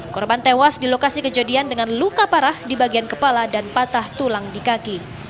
korban tewas di lokasi kejadian dengan luka parah di bagian kepala dan patah tulang di kaki